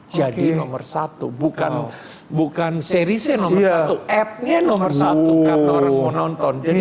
jadi nomor satu bukan seriesnya nomor satu appnya nomor satu karena orang mau nonton